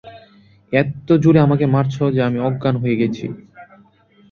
এত্তো জোরে আমাকে মারছ যে আমি অজ্ঞান হয়ে গিয়েছি।